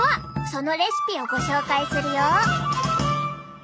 そのレシピをご紹介するよ！